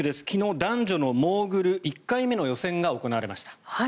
昨日、男女のモーグル１回目の予選が行われました。